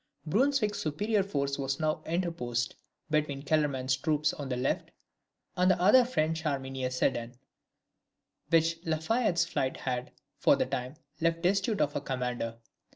Brunswick's superior force was now interposed between Kellerman's troops on the left, and the other French army near Sedan, which La Fayette's flight had, for the time, left destitute of a commander.